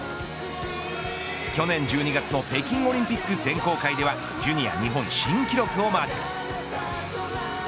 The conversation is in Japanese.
去年１２月の北京オリンピック選考会ではジュニア日本新記録をマーク。